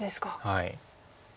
はい。